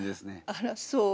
あらそう？